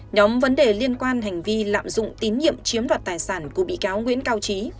nhóm vấn đề liên quan hành vi lạm dụng tín nhiệm chiếm đoạt tài sản của bị cáo nguyễn cao trí